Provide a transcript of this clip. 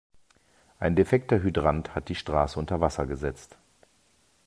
Ein defekter Hydrant hat die Straße unter Wasser gesetzt.